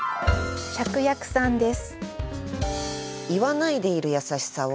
芍薬さんです。